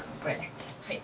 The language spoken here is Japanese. はい。